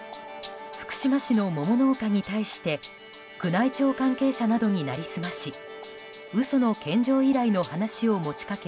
福島市の桃農家に対して宮内庁関係者などに成り済まし嘘の献上依頼の話を持ち掛け